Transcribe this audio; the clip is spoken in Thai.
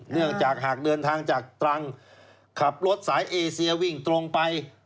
เนื่องจากหากเดินทางจากตรังขับรถสายเอเซียวิ่งตรงไป